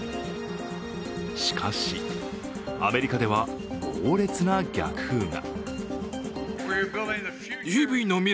しかし、アメリカでは猛烈な逆風が。